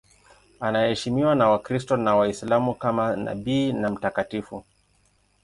Anaheshimiwa na Wakristo na Waislamu kama nabii na mtakatifu.